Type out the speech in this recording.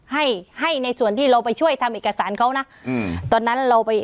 ให้ให้ในส่วนที่เราไปช่วยทำเอกสารเขานะอืมตอนนั้นเราไป